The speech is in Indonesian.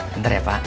bentar ya pak